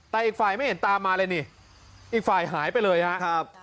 แต่อีกฝ่ายไม่เห็นตามมาเลยนี่อีกฝ่ายหายไปเลยครับ